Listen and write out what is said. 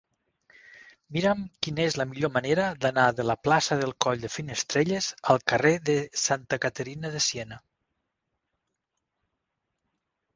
Mira'm quina és la millor manera d'anar de la plaça del Coll de Finestrelles al carrer de Santa Caterina de Siena.